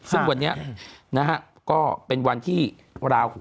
ซึ่งวันนี้นะฮะก็เป็นวันที่ราหู